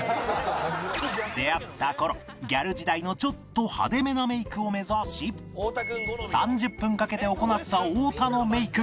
出会った頃ギャル時代のちょっと派手めなメイクを目指し３０分かけて行った太田のメイク